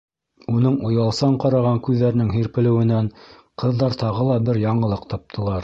Уның оялсан ҡараған күҙҙәренең һирпелеүенән ҡыҙҙар тағы ла бер яңылыҡ таптылар: